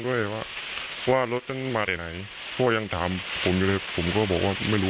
ด้วยว่ารถมันมาไหนเพราะยังถามผมเลยผมก็บอกว่าไม่รู้